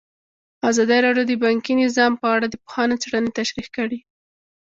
ازادي راډیو د بانکي نظام په اړه د پوهانو څېړنې تشریح کړې.